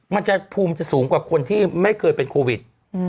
มันจะภูมิจะสูงกว่าคนที่ไม่เคยเป็นโควิด